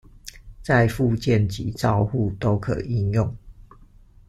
在復健及照護都可應用